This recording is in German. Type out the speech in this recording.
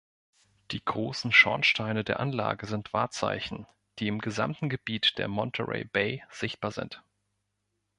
Die großen Schornsteine der Anlage sind Wahrzeichen, die im gesamten Gebiet der Monterey Bay sichtbar sind.